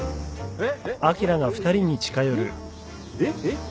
えっ？